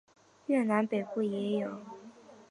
越南北部也有。